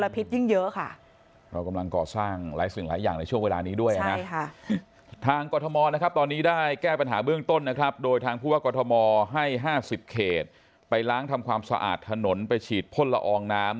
ไปล้างทำความสระดิษฐ์ถนนไปฉีดภ่นละอองน้ำ